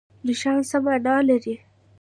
نښان څه مانا لري؟